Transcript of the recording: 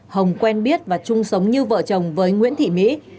hồng quen biết và chung sống như vợ chồng với nguyễn thị mỹ